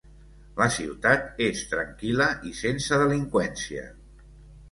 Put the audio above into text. La ciutat és tranquil·la i sense delinqüència.